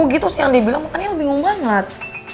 terus yang dia bilang makanya el bingung banget